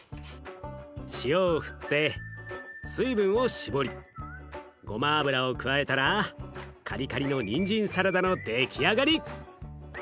塩を振って水分を絞りごま油を加えたらカリカリのにんじんサラダの出来上がり。